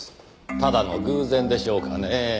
ただの偶然でしょうかねぇ。